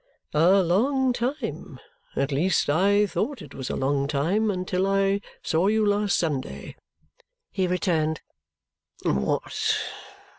"A long time. At least I thought it was a long time, until I saw you last Sunday," he returned. "What!